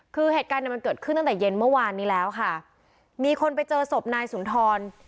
คือเหตุการณ์เนี่ยมันเกิดขึ้นตั้งแต่เย็นเมื่อวานนี้แล้วค่ะมีคนไปเจอศพนายสุนทร